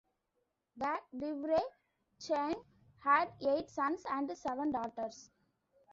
The "Divrei Chaim" had eight sons and seven daughters.